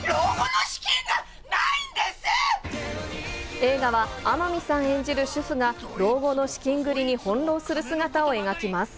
映画は天海さん演じる主婦が、老後の資金繰りに翻弄する姿を描きます。